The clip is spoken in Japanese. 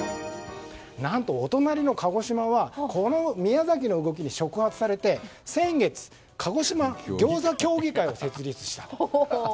何とお隣の鹿児島はこの宮崎の動きに触発されて先月鹿児島ぎょうざ協議会を設立した。